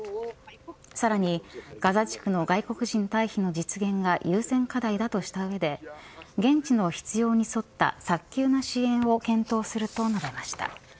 さらにガザ地区の外国人退避の実現が優先課題だとした上で現地の必要に沿った早急な支援を検討すると述べました。